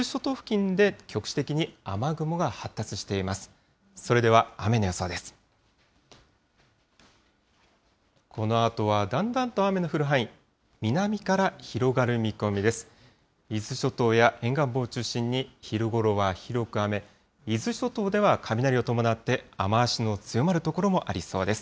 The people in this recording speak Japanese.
伊豆諸島や沿岸部を中心に、昼ごろは広く雨、伊豆諸島では雷を伴って、雨足の強まる所もありそうです。